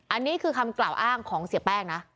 อันนี้คือคำกล่าวอ้างของเสียแป้งนะ